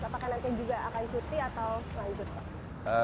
apakah nanti juga akan cuti atau selanjutnya pak